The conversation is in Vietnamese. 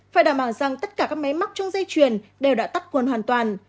phải đảm bảo rằng tất cả các máy móc trong dây chuyền đều đã tắt cuồn hoàn toàn